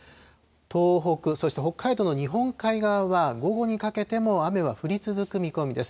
東北、そして北海道の日本海側は午後にかけても雨は降り続く見込みです。